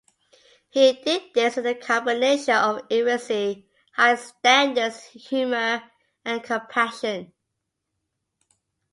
He did this with a combination of efficiency, high standards, humour and compassion.